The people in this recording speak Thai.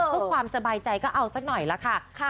เพื่อความสบายใจก็เอาสักหน่อยล่ะค่ะ